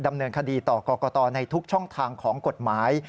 ดำเนินคดีต่อกรกตในทุกช่องทางของกฎหมาย